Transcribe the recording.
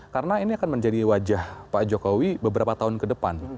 karena ini akan menjadi wajah pak jokowi beberapa tahun ke depan